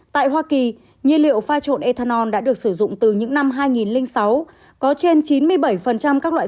tại hoa kỳ nhiên liệu pha trộn ethanol đã được sử dụng từ những năm hai nghìn sáu có trên chín mươi bảy các loại